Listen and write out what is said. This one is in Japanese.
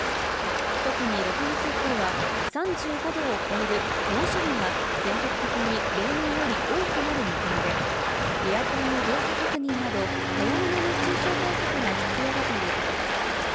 特に６月以降は、３５度を超える猛暑日が全国的に例年より多くなる見込みで、エアコンの動作確認など、早めの熱中症対策が必要だということです。